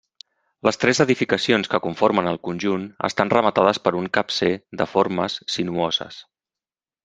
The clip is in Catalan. Les tres edificacions que conformen el conjunt estan rematades per un capcer de formes sinuoses.